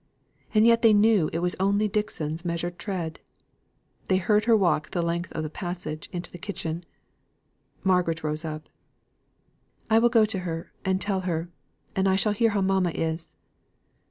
And yet they knew it was only Dixon's measured tread. They heard her walk the length of the passage, into the kitchen. Margaret rose up. "I will go to her, and tell her. And I shall hear how mamma is."